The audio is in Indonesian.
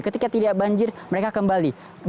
ketika tidak banjir mereka kembali